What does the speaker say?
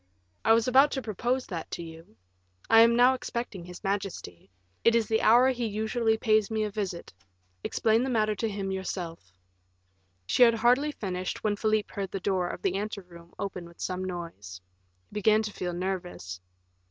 "I was about to propose that to you. I am now expecting his majesty; it is the hour he usually pays me a visit; explain the matter to him yourself." She had hardly finished when Philip heard the door of the ante room open with some noise. He began to feel nervous.